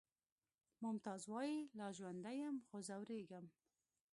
ممتاز وایی لا ژوندی یم خو ځورېږم